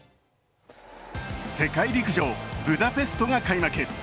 世界陸上ブダペストが開幕。